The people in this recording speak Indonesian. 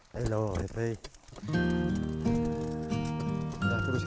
kita beri ke tempat lain